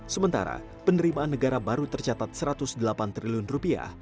sementara penerimaan negara baru tercatat satu ratus delapan triliun rupiah